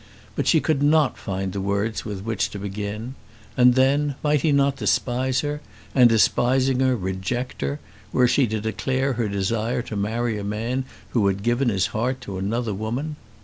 But she could not find the words with which to begin. And then, might he not despise her, and, despising her, reject her, were she to declare her desire to marry a man who had given his heart to another woman?